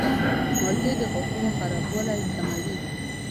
مالټې د غاښونو خرابوالی کموي.